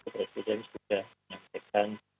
presiden sudah menyampaikan